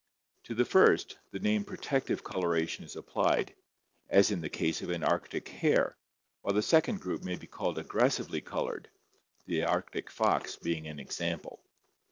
To the first, the name protective coloration is applied, as in the case of an Arctic hare, while the second group may be called ag gressively colored, the Arctic fox being an example.